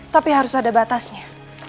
tapi harus ada batasnya